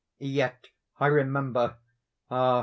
Yet I remember—ah!